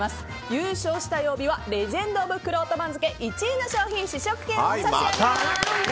優勝した曜日はレジェンド・オブ・くろうと番付１位の商品試食券を差し上げます！